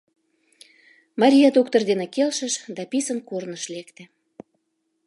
Мария доктор дене келшыш да писын корныш лекте.